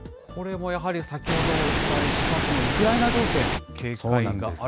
これもやはり、先ほどお伝えしたそのウクライナ情勢への警告なんですが。